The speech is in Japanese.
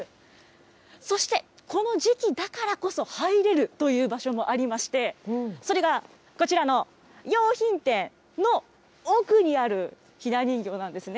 そして、この時期だからこそ入れるという場所もありまして、それがこちらの洋品店の奥にあるひな人形なんですね。